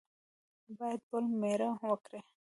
باید بل مېړه وکړي.